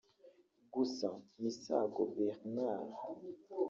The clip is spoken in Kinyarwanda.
Gusa Misago Bernard